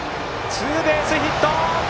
ツーベースヒット！